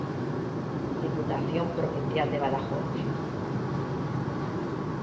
Diputación Provincial de Badajoz.